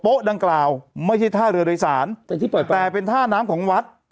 โป๊ะดังกล่าวไม่ใช่ท่าเรือโดยศาลแต่ที่ปล่อยปลาแต่เป็นท่าน้ำของวัด